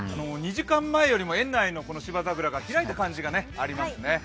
２時間前より園内の芝桜が開いた感じがありますね。